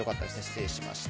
失礼しました。